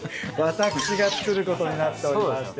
私が作ることになっておりまして。